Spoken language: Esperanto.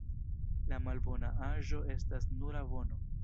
La malbona aĵo estas nura bono.